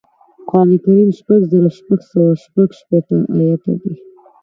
قران کریم شپږ زره شپږ سوه شپږشپېته ایاته دی